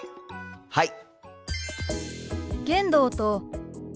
はい！